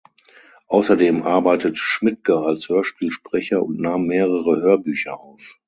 Außerdem arbeitet Schmidtke als Hörspielsprecher und nahm mehrere Hörbücher auf.